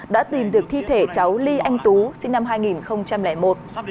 đã tìm được thi thể cháu ly anh tú sinh năm hai nghìn một